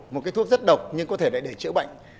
một cái thuốc rất độc nhưng có thể lại để chữa bệnh